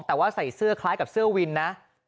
แต่ว่าใส่เสื้อคล้ายกับเสื้อวินนะ